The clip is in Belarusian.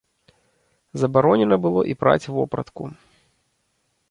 Забаронена было і праць вопратку.